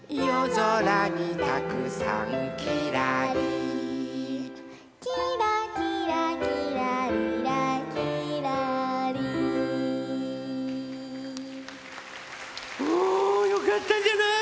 ぞらにたくさんきらり」「きらきらきらりらきらりん」おおよかったんじゃない？